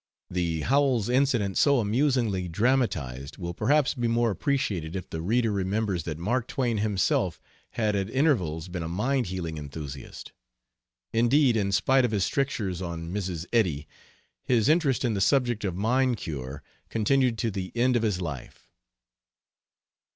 The Howells incident so amusingly dramatized will perhaps be more appreciated if the reader remembers that Mark Twain himself had at intervals been a mind healing enthusiast. Indeed, in spite of his strictures on Mrs. Eddy, his interest in the subject of mind cure continued to the end of his life.